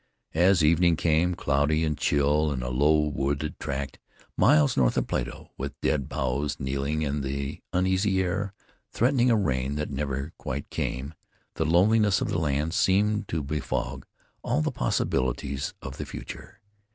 As evening came, cloudy and chill in a low wooded tract miles north of Plato, with dead boughs keening and the uneasy air threatening a rain that never quite came, the loneliness of the land seemed to befog all the possibilities of the future....